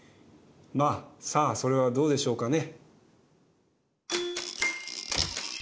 まあさあそれはどうでしょうかね。